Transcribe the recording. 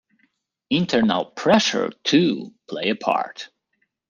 Internal pressure too play a part.